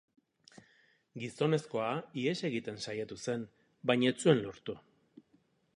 Gizonezkoa ihes egiten saiatu zen, baina ez zuen lortu.